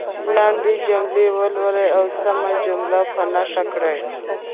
لاندې جملې ولولئ او سمه جمله په نښه کړئ.